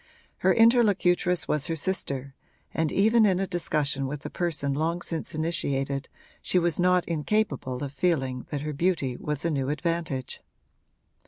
Her interlocutress was her sister, and even in a discussion with a person long since initiated she was not incapable of feeling that her beauty was a new advantage.